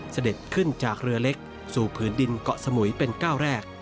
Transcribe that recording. เสด็จขึ้นจากเรือเล็กสู่ผืนดินเกาะสมุยเป็นก้าวแรก